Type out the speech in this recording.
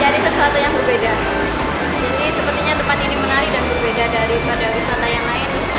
jadi sepertinya tempat ini menarik dan berbeda daripada wisata yang lain